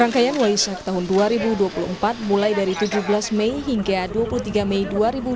rangkaian waisak tahun dua ribu dua puluh empat mulai dari tujuh belas mei hingga dua puluh tiga mei dua ribu dua puluh